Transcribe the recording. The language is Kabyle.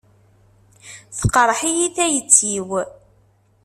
Teqreḥ-iyi tayet-iw.